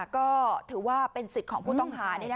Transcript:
ก็ถือว่าเป็นสิทธิ์ของผู้ต้องหา